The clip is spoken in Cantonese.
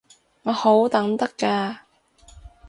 我好等得㗎